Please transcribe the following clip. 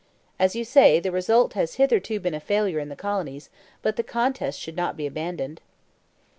As you say, the result has hitherto been a failure in the colonies, but the contest should not be abandoned."